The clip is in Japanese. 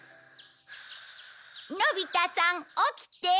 のび太さん起きて。